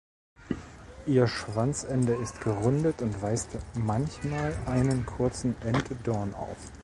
Ihr Schwanzende ist gerundet und weist manchmal einen kurzen Enddorn auf.